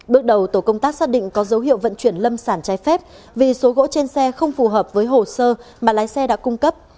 bước đầu tổ công tác xác định có dấu hiệu vận chuyển lâm sản trái phép vì số gỗ trên xe không phù hợp với hồ sơ mà lái xe đã cung cấp